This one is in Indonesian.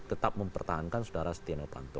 tetap mempertahankan saudara setia novanto